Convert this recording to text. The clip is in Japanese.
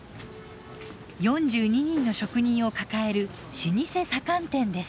４２人の職人を抱える老舗左官店です。